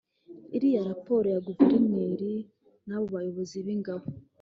Iyi raporo ya guverineri n’ abo bayobozi b’ingabo